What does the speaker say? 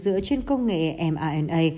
dựa trên công nghệ mrna